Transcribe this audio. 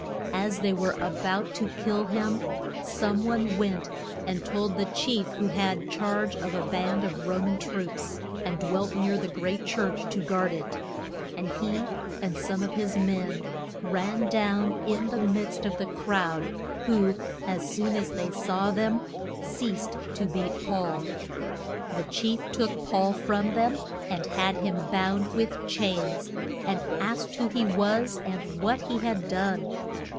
As they were a bout to kill him, some one went and told the chief who had charge of a band of Ro man troops, and dwelt near the great church to guard it. And he and some of his men ran down in the midst of the crowd, who, as soon as they saw them, ceased to beat Paul. The chief took Paul from them, and had him bound with chains, and asked who he was and what he had done.